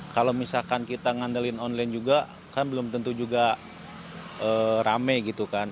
kalau misalkan kita ngandelin online juga kan belum tentu juga rame gitu kan